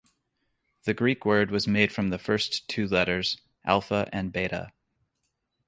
The Greek word was made from the first two letters, "alpha" and "beta".